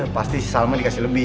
pasti salman dikasih lebih